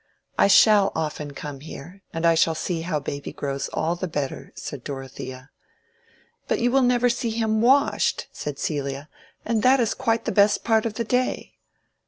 "I shall often come here, and I shall see how baby grows all the better," said Dorothea. "But you will never see him washed," said Celia; "and that is quite the best part of the day."